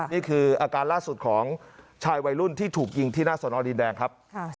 นี่คืออาการล่าสุดของชายวัยรุ่นที่ถูกยิงที่หน้าสอนอดินแดงครับ